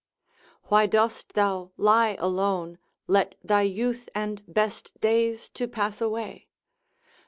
Why dost thou lie alone, let thy youth and best days to pass away?